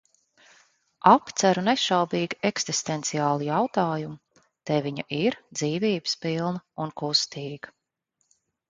Apceru nešaubīgi eksistenciālu jautājumu – te viņa ir, dzīvības pilna un kustīga.